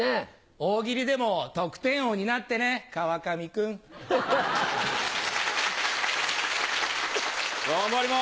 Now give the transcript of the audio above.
大喜利でも得点王になってね、川上君。頑張ります。